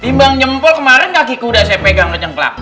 timbang nyempol kemarin kaki kuda saya pegang ke jengklak